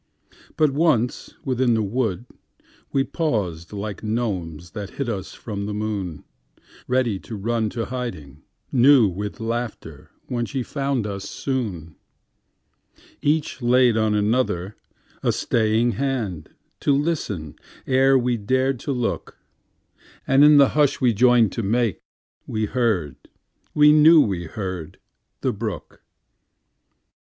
But once within the wood, we pausedLike gnomes that hid us from the moon, Ready to run to hiding newWith laughter when she found us soon. Each laid on other a staying handTo listen ere we dared to look, And in the hush we joined to makeWe heard—we knew we heard—the brook.